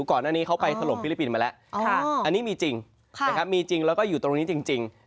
ก่อนอันนี้เขาไปทะลมฟิลิปินมาแล้วอันนี้มีจริงแล้วก็อยู่ตรงนี้จริง